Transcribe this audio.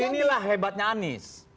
begini di sinilah hebatnya anies